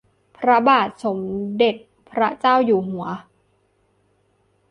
พระบาทสมเด้จพระเจ้าอยู่หัว